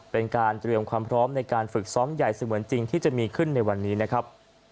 เป็นการเตรียมความพร้อมในการฝึกซ้อมใหญ่เสมือนจริงที่จะมีขึ้นในวันนี้นะครับ